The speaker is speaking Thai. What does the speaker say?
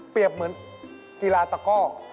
เปรียบเหมือนกีฬาตะก้อ